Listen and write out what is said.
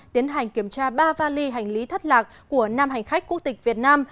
tiến hành kiểm tra ba vali hành lý thất lạc của năm hành khách quốc tịch việt nam